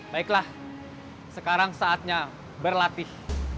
baiklah sekarang saatnya berlatih